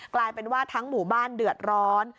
กลายเป็นว่าทั้งหมู่บ้านเดือดร้อน